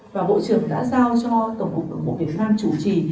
và bộ trưởng đã giao cho tổng cục đồng bộ việt nam chủ trì